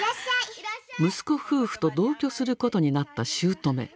息子夫婦と同居することになったしゅうとめ。